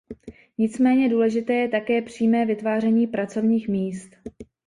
Nicméně důležité je také přímé vytváření pracovních míst.